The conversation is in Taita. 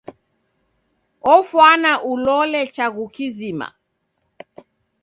Ofwana ulole chagu kizima.